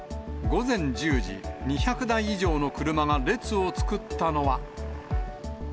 午前１０時、２００台以上の車が列を作ったのは。